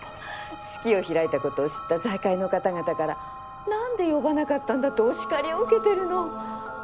式を開いたことを知った財界の方々からなんで呼ばなかったんだとお叱りを受けてるの。